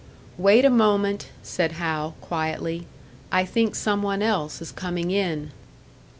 "Wait a moment," said Hal, quietly. "I think some one else is coming in."